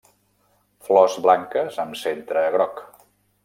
Flors blanques amb centre groc.